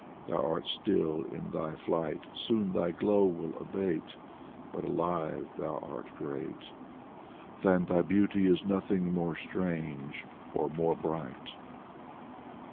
Thou art still in thy flight. Soon thy glow shall abate, But alive thou art great, Than thy beauty is nothing more strange or more bright.